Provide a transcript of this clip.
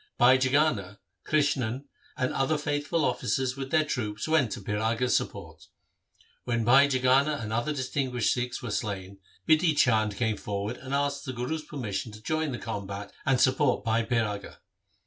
Bhai Jagana, Krishan, and other faithful officers with their troops went to Piraga's support. When Bhai Jagana and other distinguished Sikhs were slain, Bidhi Chand came forward and asked the Guru's permission to join the combat and support Bhai Piraga.